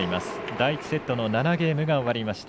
第１セットの７ゲームが終わりました。